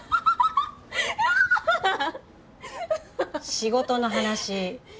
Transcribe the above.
仕事の話。